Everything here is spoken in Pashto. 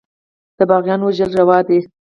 د باغيانو وژل روا دي.